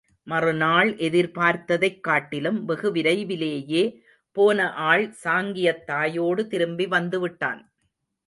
மறுநாள் எதிர்பார்த்ததைக் காட்டிலும் வெகு விரைவிலேயே, போன ஆள் சாங்கியத் தாயோடு திரும்பி வந்து விட்டான்.